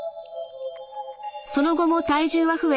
その後も体重は増え